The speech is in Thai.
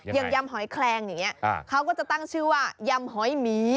ยำหอยแคลงอย่างนี้เขาก็จะตั้งชื่อว่ายำหอยหมี